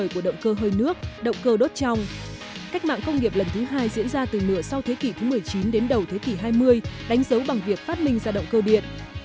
cách mạng công nghiệp lần thứ hai diễn ra từ nửa sau thế kỷ thứ một mươi chín đến đầu thế kỷ hai mươi đánh dấu bằng việc phát minh ra động cơ điện